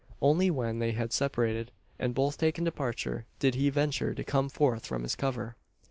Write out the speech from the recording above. Only when they had separated, and both taken departure did he venture to come forth from his cover.